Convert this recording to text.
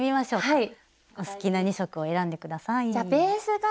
はい。